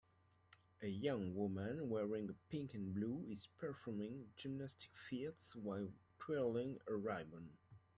A young woman wearing pink and blue is performing gymnastic feats while twirling a ribbon.